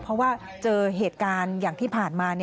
เพราะว่าเจอเหตุการณ์อย่างที่ผ่านมา